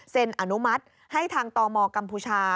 อนุมัติให้ทางตมกัมพูชา